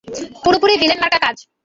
পুরোপুরি ভিলেনমার্কা কাজ।